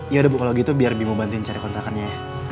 ya udah bu kalau gitu biar ibu bantuin cari kontrakannya ya